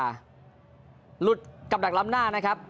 หลุดกับดักล้ำหน้านะครับ